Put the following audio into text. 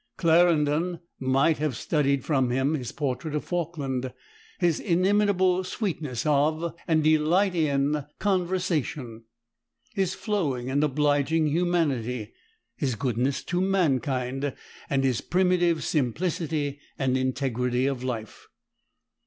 Clarendon might have studied from him his portrait of Falkland: "his inimitable sweetness of, and delight in, conversation; his flowing and obliging humanity; his goodness to mankind; and his primitive simplicity and integrity of life."